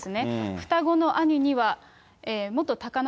双子の兄には元貴ノ